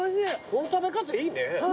この食べ方いいね。